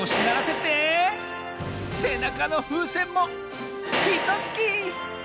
せなかのふうせんもひとつき！